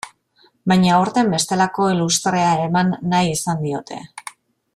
Baina aurten bestelako lustrea eman nahi izan diote.